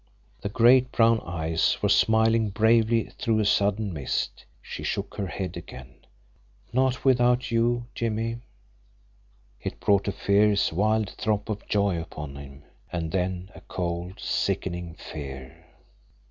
The great, brown eyes were smiling bravely through a sudden mist. She shook her head again. "Not without you, Jimmie." It brought a fierce, wild throb of joy upon him and then a cold, sickening fear.